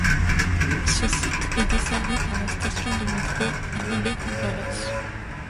Ce site est desservi par la station de métro Roubaix - Grand-Place.